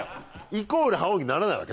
イコール覇王にならないわけ？